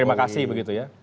terima kasih begitu ya